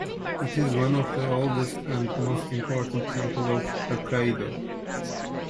It is one of the oldest and most important temple of Hokkaido.